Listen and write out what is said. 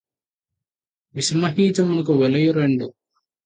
విషమహీజమునకు వెలయు రెండు